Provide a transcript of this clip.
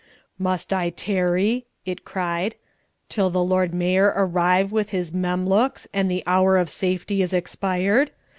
"Must I tarry," it cried, "till the Lord Mayor arrive with his Memlooks, and the hour of safety is expired?